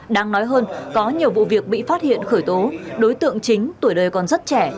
đáng nói hơn có nhiều vụ việc bị phát hiện khởi tố đối tượng chính tuổi đời còn rất trẻ